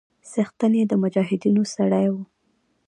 څښتن يې د مجاهيدنو سړى و.